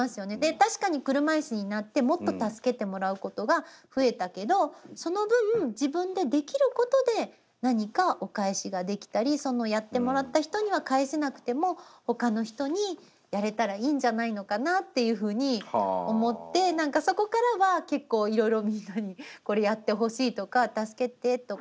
確かに車いすになってもっと助けてもらうことが増えたけどその分自分でできることで何かお返しができたりやってもらった人には返せなくても他の人にやれたらいいんじゃないのかなっていうふうに思って何かそこからは結構いろいろみんなに「これやってほしい」とか「助けて」とか。